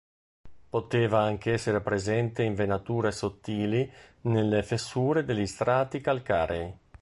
Poteva anche essere presente in venature sottili nelle fessure degli strati calcarei.